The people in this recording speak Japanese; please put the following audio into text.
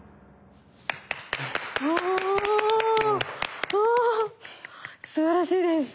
おおすばらしいです。